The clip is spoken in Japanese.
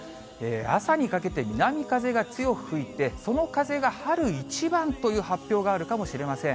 朝にかけて南風が強く吹いて、その風が春一番という発表があるかもしれません。